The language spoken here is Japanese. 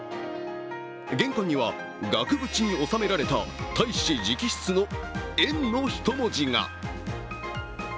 玄関には額縁に収められた大使直筆の「縁」の１文字が。